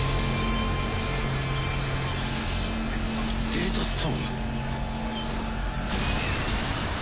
データストーム！